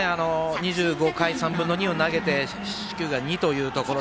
２５回３分の２を投げて四死球が２というところ。